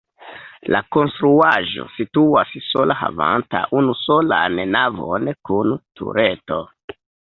La konstruaĵo situas sola havanta unusolan navon kun tureto.